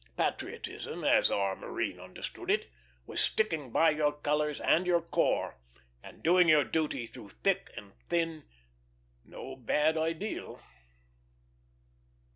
Patriotism, as our marine understood it, was sticking by your colors and your corps, and doing your duty through thick and thin; no bad ideal.